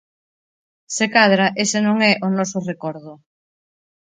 Se cadra ese non é o noso recordo.